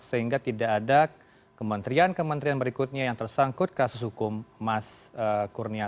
sehingga tidak ada kementerian kementerian berikutnya yang tersangkut kasus hukum mas kurnia